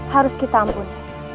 harus kita ampun